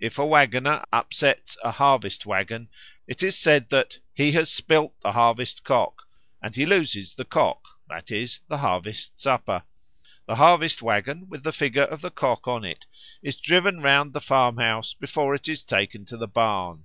If a waggoner upsets a harvest waggon, it is said that "he has spilt the Harvest cock," and he loses the cock, that is, the harvest supper. The harvest waggon, with the figure of the cock on it, is driven round the farmhouse before it is taken to the barn.